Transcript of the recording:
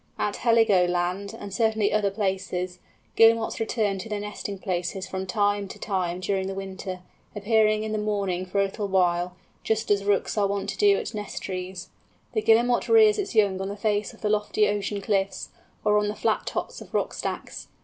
At Heligoland, and certainly other places, Guillemots return to their nesting places from time to time during the winter, appearing in the morning for a little while, just as Rooks are wont to do at the nest trees. The Guillemot rears its young on the face of the lofty ocean cliffs, or on the flat tops of rock stacks.